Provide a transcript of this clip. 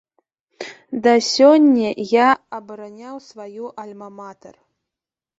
Да сёння я абараняў сваю альма-матэр.